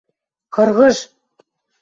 — Кыргыж!..